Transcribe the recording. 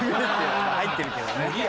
入ってるけどね。